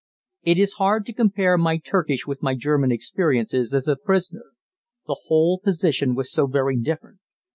It is hard to compare my Turkish with my German experiences as a prisoner. The whole position was so very different.